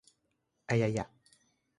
อะไยอ่ะ